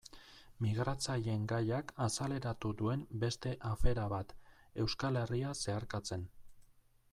Migratzaileen gaiak azaleratu duen beste afera bat, Euskal Herria zeharkatzen.